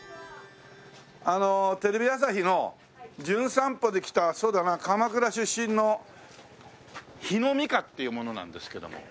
あのテレビ朝日の『じゅん散歩』で来たそうだな鎌倉出身の日野美歌っていう者なんですけども。